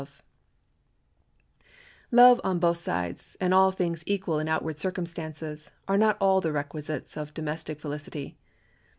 Love on both sides and all things equal in outward circumstances are not all the requisites of domestic felicity.